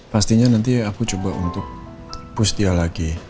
pastinya nanti aku coba untuk push dia lagi